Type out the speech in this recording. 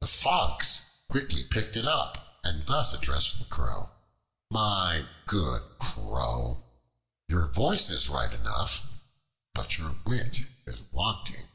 The Fox quickly picked it up, and thus addressed the Crow: "My good Crow, your voice is right enough, but your wit is wanting."